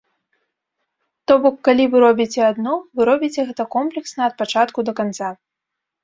То бок, калі вы робіце адно, вы робіце гэта комплексна ад пачатку да канца.